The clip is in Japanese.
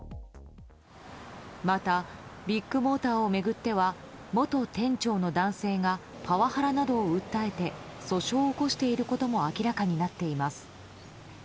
また、ビッグモーターを巡っては元店長の男性がパワハラなどを訴えて訴訟を起こしていることも明らかになっています。